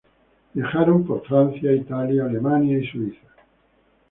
Viajaron por Francia, Italia, Alemania y Suiza.